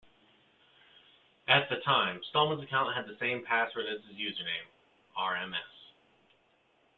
At the time, Stallman's account had the same password as its username: "rms".